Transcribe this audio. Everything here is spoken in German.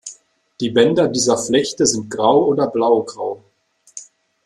Die Bänder dieser Flechte sind grau oder blaugrau.